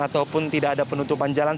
ataupun tidak ada penutupan jalan